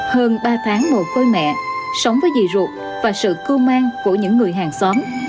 hơn ba tháng mổ côi mẹ sống với dì ruột và sự cưu man của những người hàng xóm